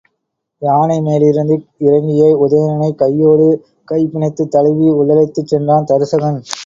யானை மேலிருந்து இறங்கிய உதயணனைக் கையோடு கைபிணைத்துத் தழுவி, உள்ளழைத்துச் சென்றான் தருசகன்.